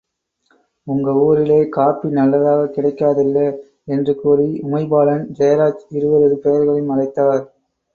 உங்க ஊரிலே காப்பி நல்லதாக் கிடைக்காதில்லே! என்று கூறி, உமைபாலன் – ஜெயராஜ் இருவரது பெயர்களையும் அழைத்தார்.